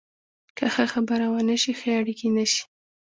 که ښه خبرې ونه شي، ښه اړیکې نشي